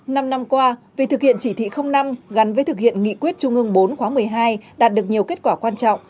năm năm qua việc thực hiện chỉ thị năm gắn với thực hiện nghị quyết trung ương bốn khóa một mươi hai đạt được nhiều kết quả quan trọng